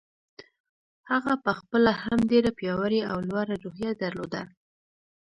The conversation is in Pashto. هغه په خپله هم ډېره پياوړې او لوړه روحيه درلوده.